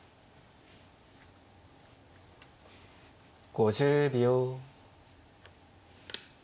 ５０秒。